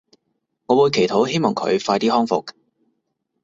我會祈禱希望佢快啲康復